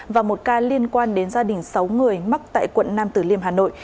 và một ca liên quan đến gia đình sáu người mắc tại quận nam tử liêm hà nội